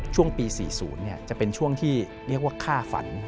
ช่วงปี๔๐จะเป็นช่วงที่เรียกว่าค่าฝัน